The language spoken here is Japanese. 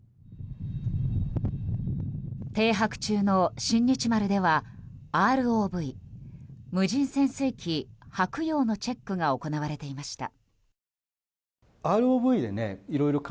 停泊中の「新日丸」ではＲＯＶ・無人潜水機「はくよう」のチェックが行われていました。